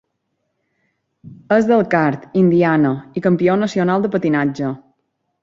És d'Elkhart, Indiana, i campió nacional de patinatge.